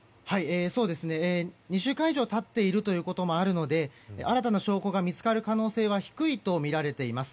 ２週間以上経っているということもあるので新たな証拠が見つかる可能性は低いとみられています。